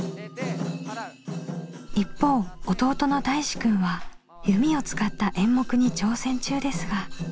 一方弟のたいしくんは弓を使った演目に挑戦中ですが。